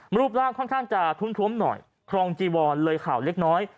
รูปร่างค่อนข้างจะทุ่มหน่อยครองจีวอนเลยข่าวเล็กน้อย